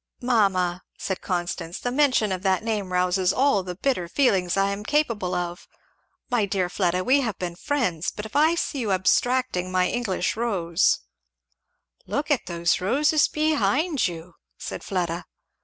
"Mamma," said Constance, "the mention of that name rouses all the bitter feelings I am capable of! My dear Fleda we have been friends but if I see you abstracting my English rose" "Look at those roses behind you!" said Fleda.